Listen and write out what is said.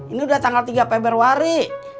ini udah tanggal tiga februari